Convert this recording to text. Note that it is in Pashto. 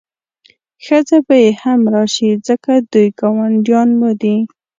ښځه به یې هم راشي ځکه دوی ګاونډیان مو دي.